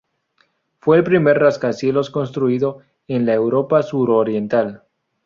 Fue el primer rascacielos construido en la Europa suroriental.